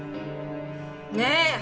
ねえ！